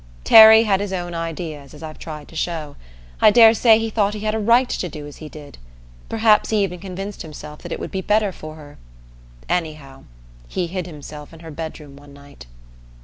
Terry had his own ideas, as I've tried to show. I daresay he thought he had a right to do as he did. Perhaps he even convinced himself that it would be better for her. Anyhow, he hid himself in her bedroom one night...